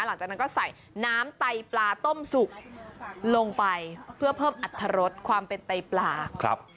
หลังจากนั้นก็ใส่น้ำไตปลาต้มสุกลงไปเพื่อเพิ่มอัตรรสความเป็นไตปลาครับ